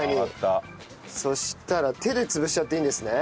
そしたら手で潰しちゃっていいんですね？